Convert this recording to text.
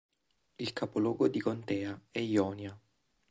Il capoluogo di contea è Ionia.